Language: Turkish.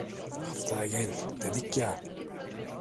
Haftaya gel, dedik ya…